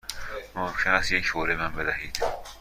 ممکن است یک حوله به من بدهید؟